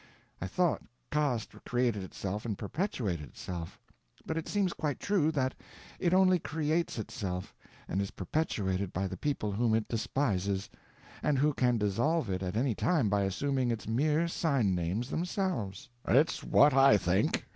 I thought caste created itself and perpetuated itself; but it seems quite true that it only creates itself, and is perpetuated by the people whom it despises, and who can dissolve it at any time by assuming its mere sign names themselves." "It's what I think.